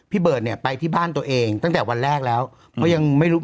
เบิร์ดเนี่ยไปที่บ้านตัวเองตั้งแต่วันแรกแล้วเพราะยังไม่รู้